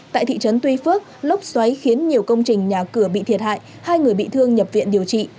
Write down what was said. tại thị trấn tuy phước lốc xoáy khiến nhiều công trình nhà cửa bị thiệt hại hai người bị thương nhập viện điều trị